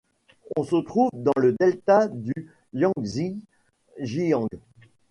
Elle se trouve dans le Delta du Yangzi Jiang.